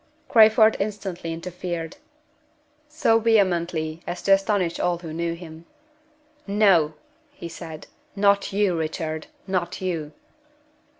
Crayford instantly interfered so vehemently as to astonish all who knew him. "No!" he said. "Not you, Richard! not you!"